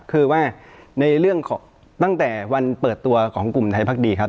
คือว่าในเรื่องของตั้งแต่วันเปิดตัวของกลุ่มไทยพักดีครับ